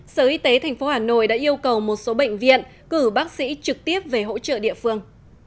sở y tế tp hà nội đã yêu cầu một số bệnh viện cử bác sĩ trực tiếp về hỗ trợ địa phương